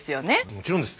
もちろんです。